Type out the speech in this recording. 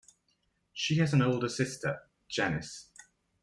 She has an older sister, Janis.